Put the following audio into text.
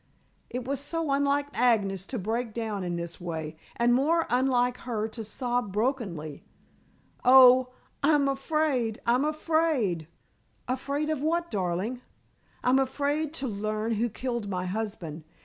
It was so unlike Agnes to break down in this way, and more unlike her to sob brokenly. "Oh, I'm afraid I'm afraid." "Afraid of what, darling?" "I'm afraid to learn who killed my husband.